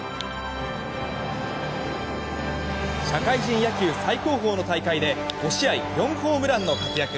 社会人野球最高峰の大会で５試合４ホームランの活躍！